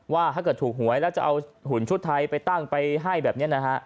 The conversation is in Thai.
ว่าถ้าเกิดถูกหวยแล้วจะเอาหุ่นชุดไทยไปตั้งไปให้แบบนี้นะฮะ